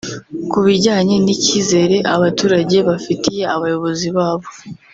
Ku bijyanye n’icyizere abaturage bafitiye abayobozi babo